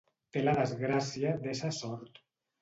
Té la desgràcia d'ésser sord.